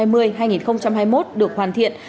được hoàn thiện